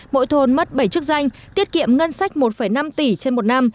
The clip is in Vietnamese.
mỗi thôn mất bảy chức danh tiết kiệm ngân sách một năm tỷ trên một năm